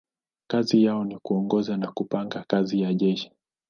Kazi yao ni kuongoza na kupanga kazi ya jeshi.